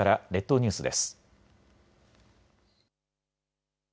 列島ニュースです。